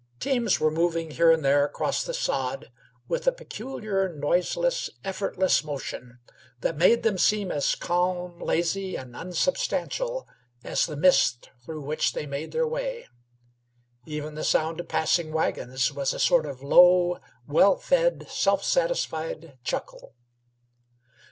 Teams were moving here and there across the sod, with a peculiar noiseless, effortless motion, that made them seem as calm, lazy, and insubstantial as the mist through which they made their way; even the sound of passing wagons seemed a sort of low, well fed, self satisfied chuckle.